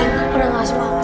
enggak pernah gak semangat